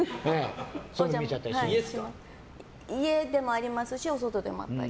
家でもありますしお外でもあったり。